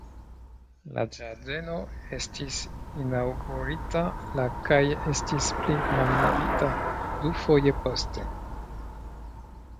La ĝardeno estis inaŭgurita la kaj estis pligrandigita dufoje poste.